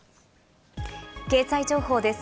経済情報です。